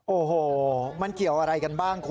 โอ้โหมันเกี่ยวอะไรกันบ้างคุณ